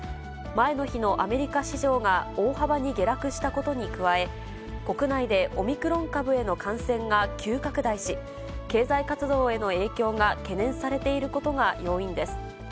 前の日のアメリカ市場が大幅に下落したことに加え、国内でオミクロン株への感染が急拡大し、経済活動への影響が懸念されていることが要因です。